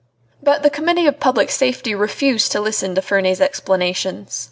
But the Committee of Public Safety refused to listen to Ferney's explanations.